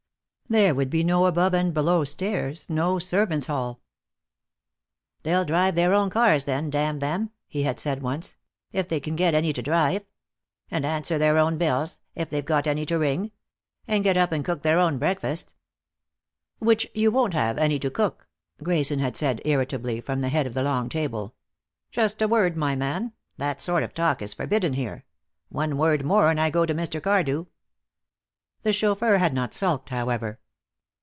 There would be no above and below stairs, no servants' hall. "They'll drive their own cars, then, damn them," he had said once, "if they can get any to drive. And answer their own bells, if they've got any to ring. And get up and cook their own breakfasts." "Which you won't have any to cook," Grayson had said irritably, from the head of the long table. "Just a word, my man. That sort of talk is forbidden here. One word more and I go to Mr. Cardew." The chauffeur had not sulked, however.